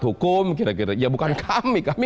hukum kira kira ya bukan kami kami